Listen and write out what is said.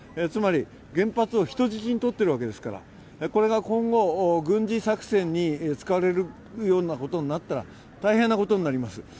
つまり原発を人質にとっているわけですから、これが今後、軍事作戦に使われるようなことになったら大変なことになります。